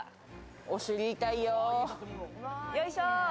お尻痛いよお。